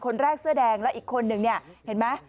คนแรกเสื้อแดงและอีกคนหนึ่งเห็นไหม